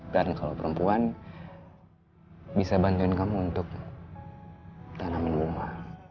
dan kalau perempuan bisa bantuin kamu untuk tanamin bunga